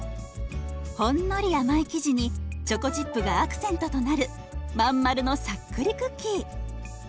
ほんのり甘い生地にチョコチップがアクセントとなる真ん丸のさっくりクッキー。